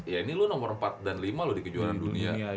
ya ini lo nomor empat dan lima loh di kejuaraan dunia